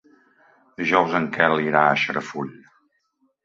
Dijous en Quel irà a Xarafull.